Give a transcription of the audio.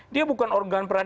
dia bukan organ peradilan